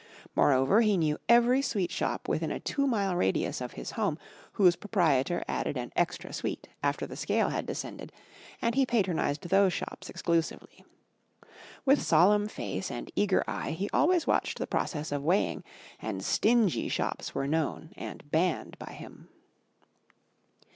Moreover, he knew every sweet shop within a two miles radius of his home whose proprietor added an extra sweet after the scale had descended, and he patronised these shops exclusively. With solemn face and eager eye, he always watched the process of weighing, and "stingy" shops were known and banned by him.